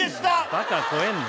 バカ超えんな！